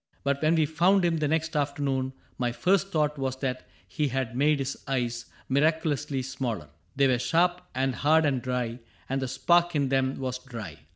But when we found him the next afternoon. My first thought was that he had made his eyes Miraculously smaller. They were sharp And hard and dry, and the spark in them was dry.